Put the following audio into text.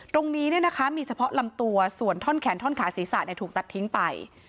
ตรงนี้มีเฉพาะลำตัวส่วนท่อนแขนท่อนขาศีรษะถูกตัดทิ้งไป